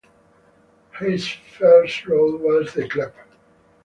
His first role was The Club.